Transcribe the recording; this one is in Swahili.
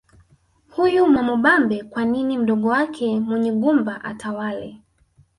Huyu Mwamubambe kwa nini mdogo wake Munyigumba atawale